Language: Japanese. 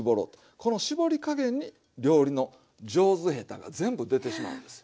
この絞り加減に料理の上手下手が全部出てしまうんですよ。